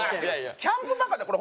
「キャンプバカ」ってこれ